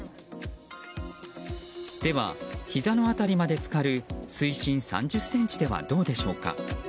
では、ひざの辺りまで浸かる水深３０ｃｍではどうでしょうか。